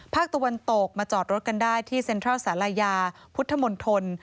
ตะวันตกมาจอดรถกันได้ที่เซ็นทรัลศาลายาพุทธมนตร